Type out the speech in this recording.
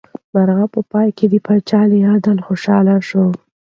مرغۍ په پای کې د پاچا له عدله خوشحاله شوه.